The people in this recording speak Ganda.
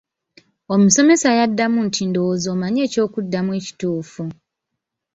Omusomesa yaddamu nti ndowooza omanyi ekyokuddamu ekituufu.